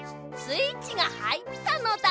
スイッチがはいったのだ。